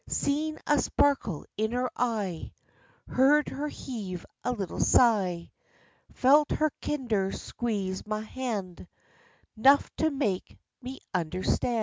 Seen a sparkle in her eye, Heard her heave a little sigh; Felt her kinder squeeze ma han', 'Nuff to make me understan'.